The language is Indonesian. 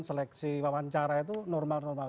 seleksi wawancara itu normal normal